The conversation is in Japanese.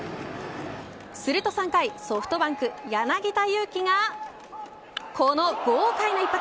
すると３回ソフトバンク柳田悠岐がこの豪快な一発。